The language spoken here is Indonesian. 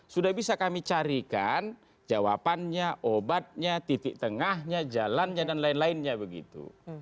sudah bisa kami carikan jawabannya obatnya titik tengahnya jalannya dan lain lainnya begitu